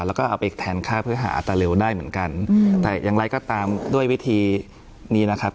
แล้วก็เอาไปแทนค่าเพื่อหาอัตราเร็วได้เหมือนกันแต่อย่างไรก็ตามด้วยวิธีนี้นะครับ